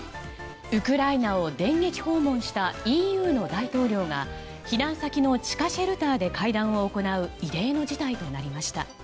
ウクライナを電撃訪問したＥＵの大統領が避難先の地下シェルターで会談を行う異例の事態となりました。